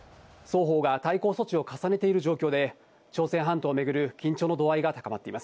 双方が対抗措置を重ねている状況で、朝鮮半島をめぐる緊張の度合いが高まっています。